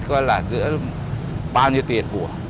coi là giữa bao nhiêu tiền vụ